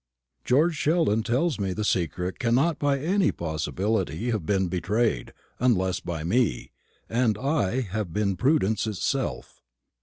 George Sheldon tells me the secret cannot by any possibility have been betrayed, unless by me; and I have been prudence itself.